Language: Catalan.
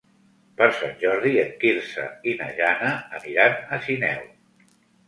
Per Sant Jordi en Quirze i na Jana aniran a Sineu.